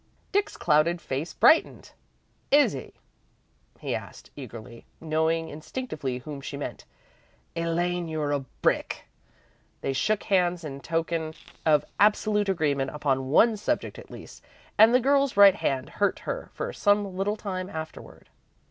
Dick's clouded face brightened. "Is he?" he asked, eagerly, knowing instinctively whom she meant. "Elaine, you're a brick!" They shook hands in token of absolute agreement upon one subject at least, and the girl's right hand hurt her for some little time afterward.